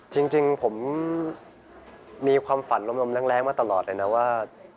จริงผมมีความฝันลมแรงมาตลอดเลยนะว่า